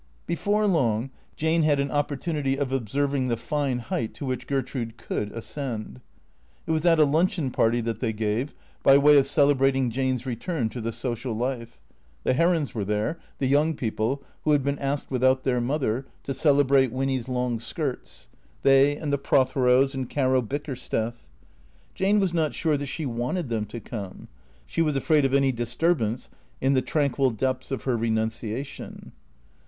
Before long Jane had an opportunity of observing the tine height to which Gertrude could ascend. It was at a luncheon party that they gave, by way of celebrating Jane's return to the social life. The Herons were there, the young people, who had been asked without their mother, to celebrate Winny's long skirts ; they and the Protheros and Caro Bickersteth. Jane was not sure that she wanted them to come. She was afraid of any disturb ance in the tranquil depths of her renunciation.